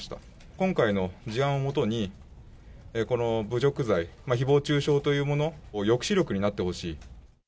今回の事案をもとに、この侮辱罪、ひぼう中傷というものの抑止力になってほしい。